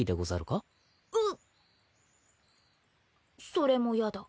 それもやだ。